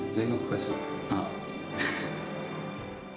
あっ。